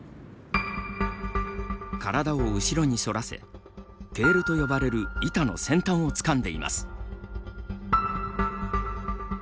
体を後ろに反らせテールと呼ばれる板の先端をつかんでいます。